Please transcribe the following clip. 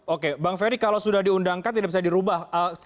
oke bang ferry kalau sudah diundangkan tidak bisa dirubah